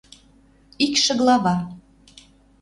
Икшӹ глава